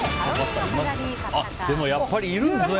でもやっぱり、いるんですね。